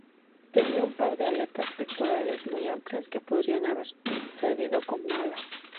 Tenía un par de aletas pectorales muy amplias que podrían haber servido como alas.